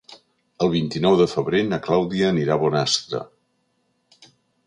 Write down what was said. El vint-i-nou de febrer na Clàudia anirà a Bonastre.